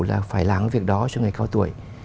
là phải làm việc đó cho người cao tuổi